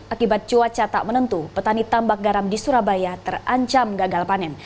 akibat cuaca tak menentu petani tambak garam di surabaya terancam gagal panen